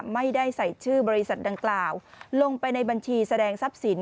ไม่ได้ใส่ชื่อบริษัทดังกล่าวลงไปในบัญชีแสดงทรัพย์สิน